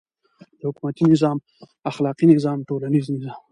. د حکومتی نظام، اخلاقی نظام، ټولنیز نظام